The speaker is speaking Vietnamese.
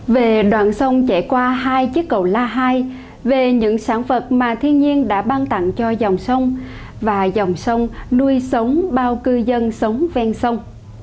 về đoạn sông chạy qua hai chiếc cầu la hai về những sản phẩm mà thiên nhiên đã ban tặng cho dòng sông và dòng sông nuôi sống bao cư dân sống ven sông